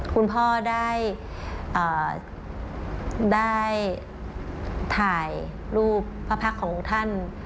คุณพ่อได้ถ่ายรูปพระพักษ์ขององค์ท่าน